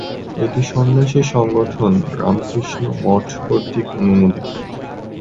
এটি সন্ন্যাসী সংগঠন রামকৃষ্ণ মঠ কর্তৃক অনুমোদিত।